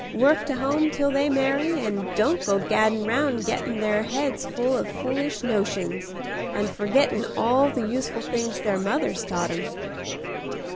Work to home till they marry, and don't go gaddin' 'round gettin' their heads full of foolish notions, and forgettin' all the useful things their mothers taught 'em."